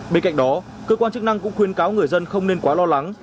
bên cạnh đó cơ quan chức năng cũng khuyên cáo người dân không nên quá lo lắng